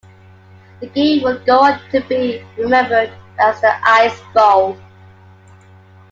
The game would go on to be remembered as the "Ice Bowl".